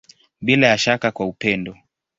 Bila ya shaka kwa upendo.